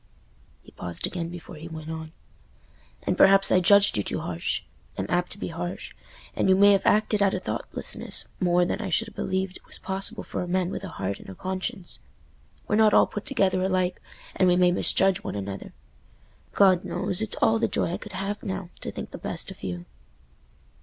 He paused again before he went on. "And perhaps I judged you too harsh—I'm apt to be harsh—and you may have acted out o' thoughtlessness more than I should ha' believed was possible for a man with a heart and a conscience. We're not all put together alike, and we may misjudge one another. God knows, it's all the joy I could have now, to think the best of you."